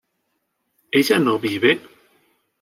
¿ella no vive?